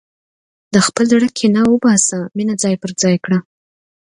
د خپل زړه کینه وباسه، مینه ځای پر ځای کړه.